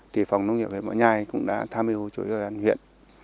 thì phòng nông nghiệp huyện võ nhai cũng đã tham hiệu chủ yếu cho huyện